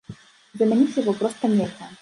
Замяніць яго проста нельга.